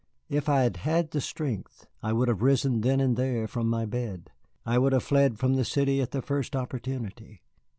If I had had the strength, I would have risen then and there from my bed, I would have fled from the city at the first opportunity.